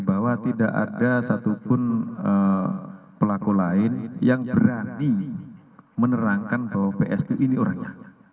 bahwa tidak ada satupun pelaku lain yang berani menerangkan bahwa ps itu ini orangnya